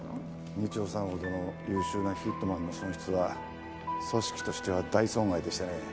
二丁さんほどの優秀なヒットマンの損失は組織としては大損害でしてね。